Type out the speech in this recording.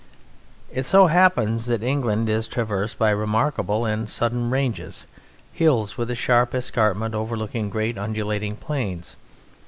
It so happens that England is traversed by remarkable and sudden ranges; hills with a sharp escarpment overlooking great undulating plains.